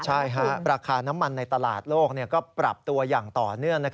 ใช่ค่ะราคาน้ำมันในตลาดโลกก็ปรับตัวอย่างต่อเนื่อง